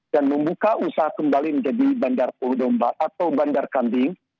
dan membuka usaha kembali menjadi bandar pohodomba atau bandar kandung